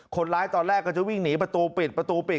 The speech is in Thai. ตอนแรกก็จะวิ่งหนีประตูปิดประตูปิด